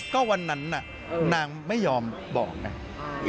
ก็วันนั้นน่ะนางไม่ยอมบอกไง